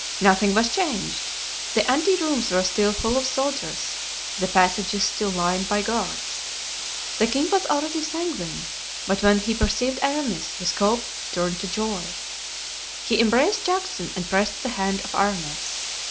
Nothing was changed. The ante rooms were still full of soldiers, the passages still lined by guards. The king was already sanguine, but when he perceived Aramis his hope turned to joy. He embraced Juxon and pressed the hand of Aramis.